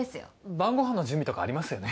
晩ごはんの準備とかありますよね。